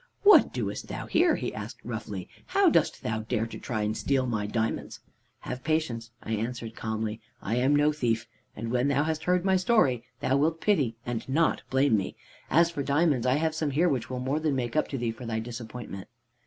"'What doest thou here?' he asked roughly. 'How dost thou dare to try and steal my diamonds?' "'Have patience,' I answered calmly, 'I am no thief, and when thou hast heard my story thou wilt pity and not blame me. As for diamonds, I have some here which will more than make up to thee for thy disappointment.'